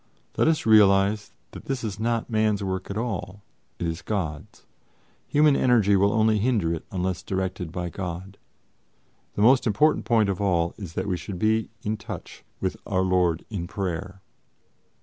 Let us realize that this is not man's work at all, it is God's. Human energy will only hinder it unless directed by God. The most important point of all is that we should be in touch with Our Lord in prayer."